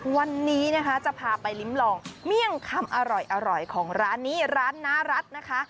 วันนี้นะคะจะพาไปลิ้มลองเมี่ยงคำอร่อยของร้านนี้ร้านน้ารัฐนะคะ